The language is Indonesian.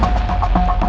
aku kasih tau